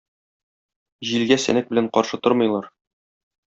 Җилгә сәнәк белән каршы тормыйлар.